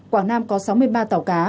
quảng nam có sáu mươi ba tàu cá